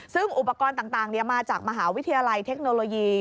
ซึ่งอุปกรณ์ต่างมาจากมหาวิทยาลัยเทคโนโลยี